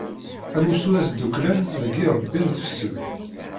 Amussu asdukklan deg yirebbi n tefsut.